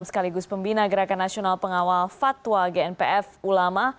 sekaligus pembina gerakan nasional pengawal fatwa gnpf ulama